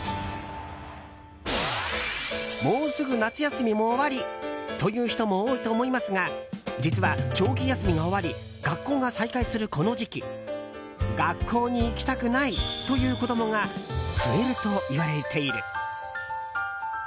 もうすぐ夏休みも終わりという人も多いと思いますが実は、長期休みが終わり学校が再開するこの時期学校に行きたくないという子供が増えるといわれている。